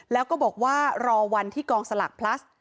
แล้วก็บอกว่ารอวันที่กองสลากพลัส